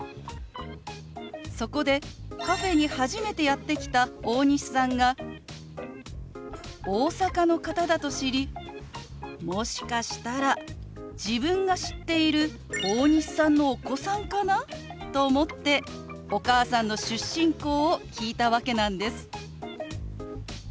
そこでカフェに初めてやって来た大西さんが大阪の方だと知りもしかしたら自分が知っている大西さんのお子さんかなと思ってお母さんの出身校を聞いたわけなんです。